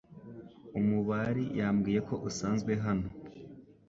Umubari yambwiye ko usanzwe hano.